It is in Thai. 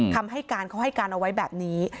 คำให้การเขาให้การเอาไว้แบบนี้